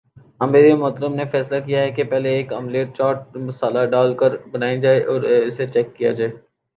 امیر محترم نے فیصلہ کیا کہ پہلے ایک آملیٹ چاٹ مصالحہ ڈال کر بنایا جائے اور اسے چیک کیا جائے